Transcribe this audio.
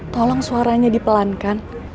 tolong suaranya dipelankan